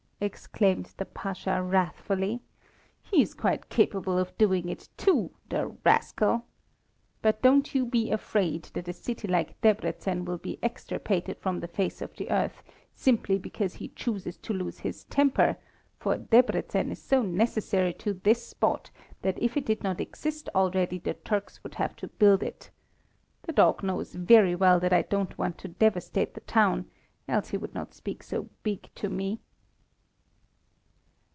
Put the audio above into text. exclaimed the Pasha, wrathfully, "he's quite capable of doing it, too, the rascal! But don't you be afraid that a city like Debreczen will be extirpated from the face of the earth simply because he chooses to lose his temper, for Debreczen is so necessary to this spot that if it did not exist already the Turks would have to build it. The dog knows very well that I don't want to devastate the town, else he would not speak so big to me."